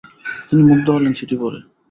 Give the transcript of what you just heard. তিনি মুগ্ধ হলেন চিঠি পড়ে।